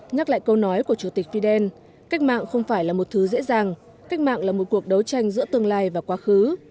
nhắc lại câu nói của chủ tịch fidel cách mạng không phải là một thứ dễ dàng cách mạng là một cuộc đấu tranh giữa tương lai và quá khứ